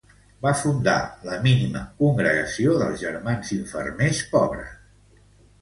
Va fundar la Mínima Congregació dels Germans Infermers Pobres.